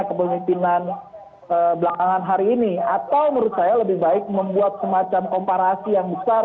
kepemimpinan belakangan hari ini atau menurut saya lebih baik membuat semacam komparasi yang besar